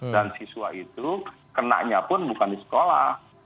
dan siswa itu kenanya pun bukan di sekolah